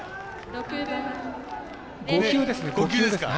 ５球ですね。